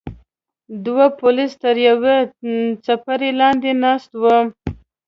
دوه پولیس تر یوې څپرې لاندې ناست وو.